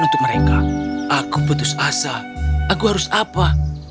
aku membutuhkan asa aku harus apa